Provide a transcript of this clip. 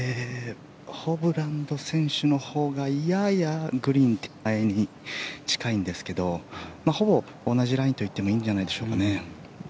ホブラン選手のほうがややグリーン手前に近いんですけどほぼ同じラインと言ってもいいんじゃないでしょうかね。